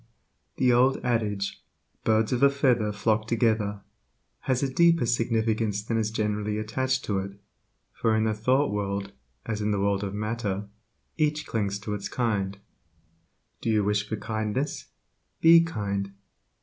The old adage, "Birds of a feather flock together," has a deeper significance than is generally attached to it, for in the thought world as in the world of matter, each clings to its kind. Do you wish for kindness? Be kind.